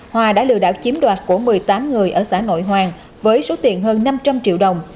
hòa đã lừa đảo chiếm đoạt của một mươi tám người ở xã nội hoàng với số tiền hơn năm trăm linh triệu đồng